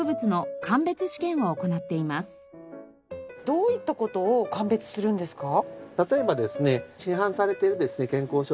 どういった事を鑑別するんですか？